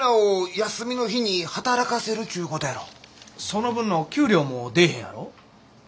その分の給料も出えへんやろ？